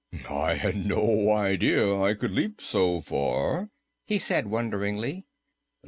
"I had no idea I could leap so far," he said wonderingly.